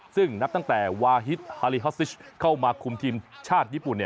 ซึ่งนับตั้งแต่วาฮิตฮาลีฮอสซิชเข้ามาคุมทีมชาติญี่ปุ่น